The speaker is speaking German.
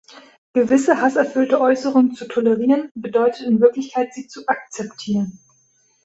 Gewisse hasserfüllte Äußerungen zu tolerieren, bedeutet in Wirklichkeit sie zu akzeptieren.